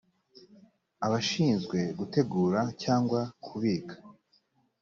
abashinzwe gutegura cyangwa kubika